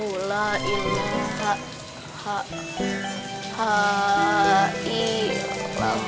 duh duh duh maaf pak d